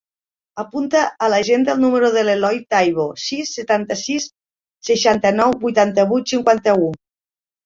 Apunta a l'agenda el número de l'Eloi Taibo: sis, setanta-sis, seixanta-nou, vuitanta-vuit, cinquanta-u.